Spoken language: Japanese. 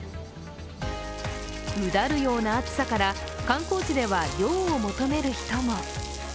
うだるような暑さから観光地では涼を求める人も。